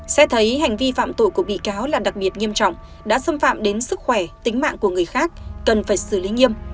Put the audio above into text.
xét thấy hành vi phạm tội của bị cáo là đặc biệt nghiêm trọng đã xâm phạm đến sức khỏe tính mạng của người khác cần phải xử lý nghiêm